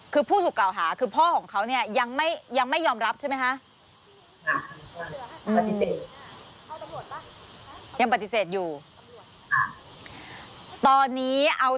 คือผู้ถูกกล่าวหาคือพ่อของเขาเนี่ยยังไม่ยอมรับใช่ไหมคะ